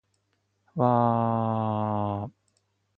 わあーーーーーーーーーー